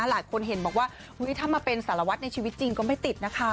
หลายคนเห็นบอกว่าถ้ามาเป็นสารวัตรในชีวิตจริงก็ไม่ติดนะคะ